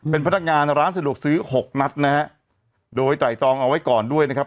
เป็นพนักงานร้านสะดวกซื้อหกนัดนะฮะโดยไตรตองเอาไว้ก่อนด้วยนะครับ